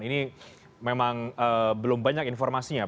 ini memang belum banyak informasinya